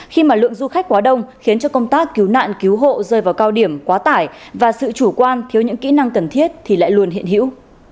khi mà lượng du khách quá đông khiến cho công tác cứu nạn cứu hộ rơi vào cao điểm quá tải và sự chủ quan thiếu những kỹ năng cần thiết thì lại luôn hiện hữu